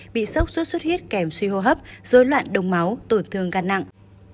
bị sốc xuất xuất huyết kèm suy hô hấp rối loạn đông máu tổn thương gạt nặng